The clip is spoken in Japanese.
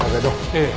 ええ。